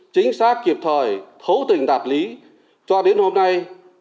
chính xác kịp thời thấu tình đạt lý cho đến hôm nay